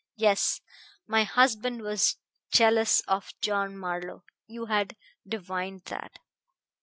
Yes; my husband was jealous of John Marlowe; you had divined that.